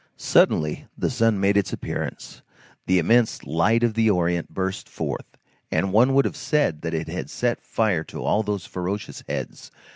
Suddenly, the sun made its appearance; the immense light of the Orient burst forth, and one would have said that it had set fire to all those ferocious heads.